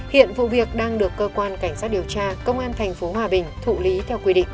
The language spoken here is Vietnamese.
hiện vụ việc đang được cơ quan cảnh sát điều tra công an tp hòa bình thụ lý theo quy định